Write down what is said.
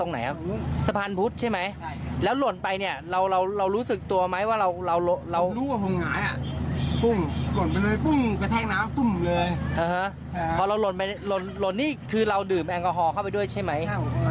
พอเราหล่นนี่คือเราดื่มแอลกอฮอลเข้าไปด้วยใช่ไหม